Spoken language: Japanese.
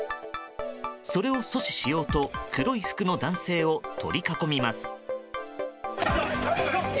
それを阻止しようと黒い服の男性を取り囲みます。